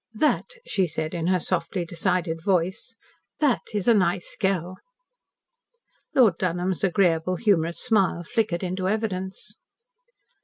"That," she said in her softly decided voice, "that is a nice girl." Lord Dunholm's agreeable, humorous smile flickered into evidence.